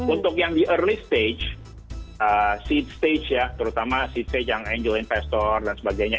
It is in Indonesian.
untuk yang di early stage seat stage ya terutama seat yang angel investor dan sebagainya